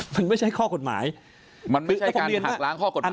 มันไม่ใช่การหักล้างข้อกฎหมาย